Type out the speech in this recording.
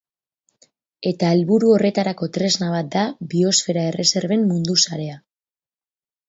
Eta helburu horretarako tresna bat da Biosfera Erreserben Mundu Sarea.